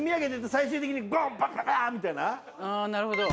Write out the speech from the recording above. ああなるほど。